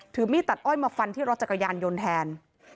มีดตัดอ้อยมาฟันที่รถจักรยานยนต์แทน